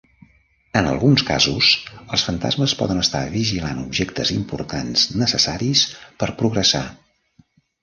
En alguns casos, els fantasmes poden estar vigilant objectes importants necessaris per progressar.